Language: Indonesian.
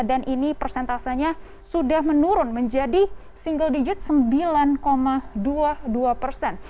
dan ini persentasenya sudah menurun menjadi single digit sembilan dua puluh dua persen